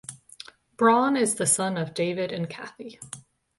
Braun is the son of David and Kathy.